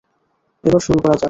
এবার শুরু করা যাক।